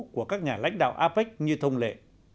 của các nhà lãnh đạo apec như thông lệ